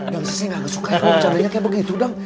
yang sih saya nggak suka ya kalau bercadanya kayak begitu dang